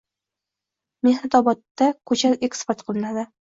“Mehnatobod”da ko‘chat eksport qilinadi